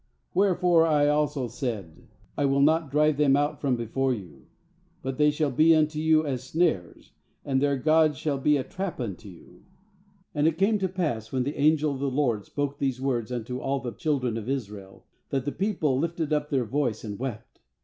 3Wherefore I also said: I will not drive them out from before you; but they shall be unto you as snares, and their gods shall be a trap unto you.' 4And it 294 JUDGES 3.2 came to pass, when the angel of the LORD spoke these words unto all the children of Israel, that the people lifted up their voice, and wept.